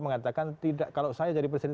mengatakan tidak kalau saya jadi presiden